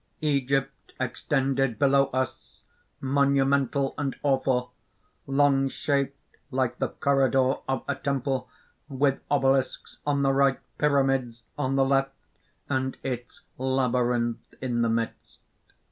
"Egypt extended, below us, monumental and awful, long shaped like the corridor of a temple; with obelisks on the right, pyramids on the left, and its labyrinth in the midst.